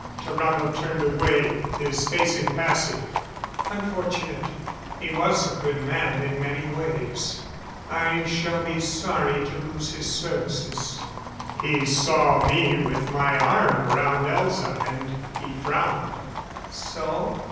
Tarrano turned away, his face impassive. "Unfortunate. He was a good man in many ways I shall be sorry to lose his services." He saw me with my arm around Elza, and he frowned. "So?"